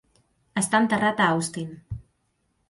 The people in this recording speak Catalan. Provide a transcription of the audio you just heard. Està enterrat a Austin.